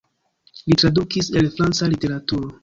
Li tradukis el franca literaturo.